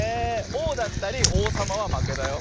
オーだったりおうさまはまけだよ。